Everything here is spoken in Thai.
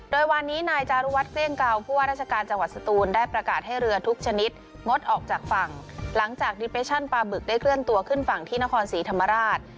โดยวานนี้นายจารุวัฒเกลี้ยงเก่าผู้ว่าราชการจังหวัดสตูนได้ประกาศให้เรือทุกชนิดงดออกจากฝั่งหลังจากดิเปชั่นปลาบึกได้เคลื่อนตัวขึ้นฝั่งที่นครศรีธรรมราช